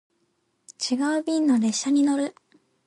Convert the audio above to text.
違う便の列車に乗る